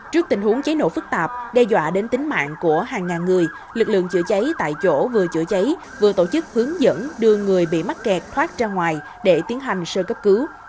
trước tình huống cháy nổ phức tạp đe dọa đến tính mạng của hàng ngàn người lực lượng chữa cháy tại chỗ vừa chữa cháy vừa tổ chức hướng dẫn đưa người bị mắc kẹt thoát ra ngoài để tiến hành sơ cấp cứu